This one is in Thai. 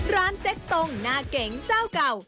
เจ๊สตงหน้าเก๋งเจ้าเก่า